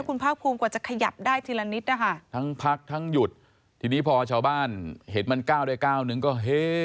คุณภาคภูมิกว่าจะขยับได้ทีละนิดนะคะทั้งพักทั้งหยุดทีนี้พอชาวบ้านเห็นมันก้าวได้ก้าวนึงก็เฮ